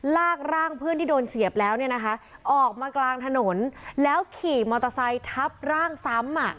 ลากร่างเพื่อนที่โดนเสียบแล้วเนี่ยนะคะออกมากลางถนนแล้วขี่มอเตอร์ไซค์ทับร่างซ้ำ